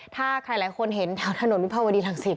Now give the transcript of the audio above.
ถ้าใครหลายคนเห็นแถวถนนวิภาวดีรังสิต